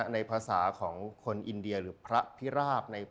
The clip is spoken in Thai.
ในภาษาของคนอินเดียหรือพระพิราบ